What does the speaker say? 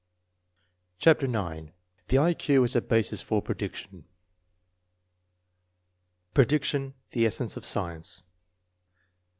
CHAPTfcK IX THE I Q AS A BASIS FOR PREDICTION Prediction the essence of science.